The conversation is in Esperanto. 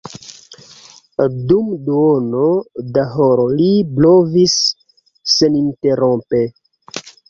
Dum duono da horo li blovis seninterrompe.